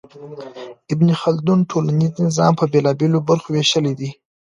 ابن خلدون ټولنيز نظام په بېلابېلو برخو وېشلی دی.